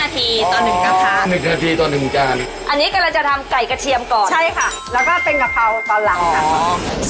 ใช่ค่ะแล้วก็เป็นกะเพราตอนหลัง